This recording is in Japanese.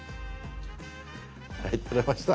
はい撮れました。